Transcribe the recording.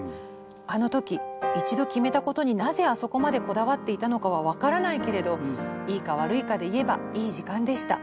あの時一度決めたことになぜあそこまでこだわっていたのかは分からないけれどいいか悪いかで言えばいい時間でした。